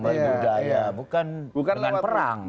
sebagai budaya bukan dengan perang